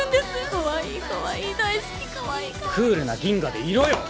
かわいいかわいい大好きかわいいかわいいクールなギンガでいろよ！